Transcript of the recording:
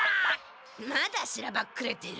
まだしらばっくれてる。